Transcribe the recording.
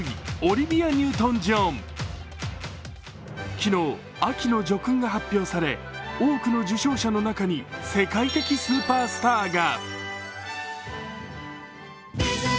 昨日、秋の叙勲が発表され、多くの受賞者の中に、世界的スーパースターが。